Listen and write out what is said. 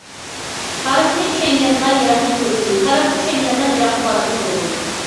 تارىخنى چۈشەنگەندىلا يىراقنى كۆرگىلى، تارىخنى چۈشەنگەندىلا يىراققا بارغىلى بولىدۇ.